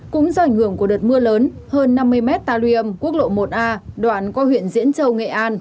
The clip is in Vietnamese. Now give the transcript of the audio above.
cũng do ảnh hưởng của đợt mưa lớn hơn năm mươi m ta liêm quốc lộ một a đoạn qua huyện diễn châu nghệ an